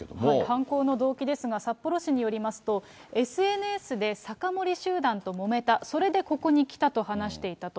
犯行の動機ですが、札幌市によりますと、ＳＮＳで酒盛り集団ともめた、それでここに来たと話していたと。